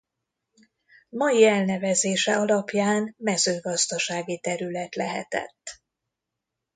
Mai elnevezése alapján mezőgazdasági terület lehetett.